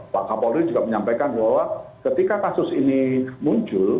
pak kapolri juga menyampaikan bahwa ketika kasus ini muncul